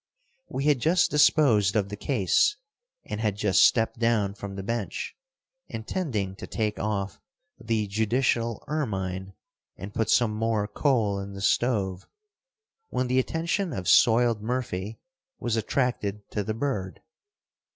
We had just disposed of the case, and had just stepped down from the bench, intending to take off the judicial ermine and put some more coal in the stove, when the attention of Soiled Murphy was attracted to the bird.